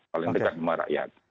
paling dekat dengan rakyat